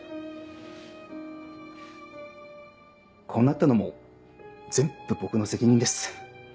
こうなったのも全部僕の責任です。